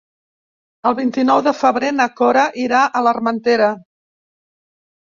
El vint-i-nou de febrer na Cora irà a l'Armentera.